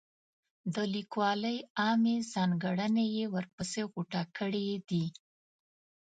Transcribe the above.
د لیکوالۍ عامې ځانګړنې یې ورپسې غوټه کړي دي.